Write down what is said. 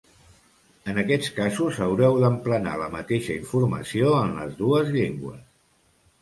En aquests casos haureu d'emplenar la mateixa informació en les dues llengües.